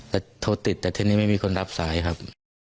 แต่โทรติดแต่ทีนี้ไม่มีคนรับสายครับ